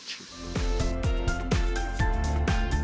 suhu yang sama